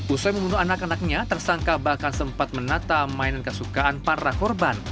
usai membunuh anak anaknya tersangka bahkan sempat menata mainan kesukaan para korban